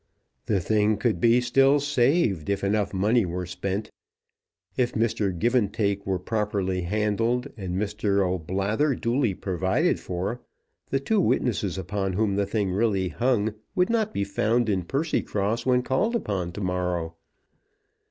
The thing could be still saved if enough money were spent. If Mr. Givantake were properly handled, and Mr. O'Blather duly provided for, the two witnesses upon whom the thing really hung would not be found in Percycross when called upon to morrow.